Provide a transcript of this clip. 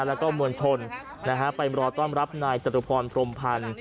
แล้วก็มวลชนไปรอต้อนรับนายจตุพรพรมพันธ์